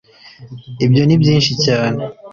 ibyo ni byinshi cyane.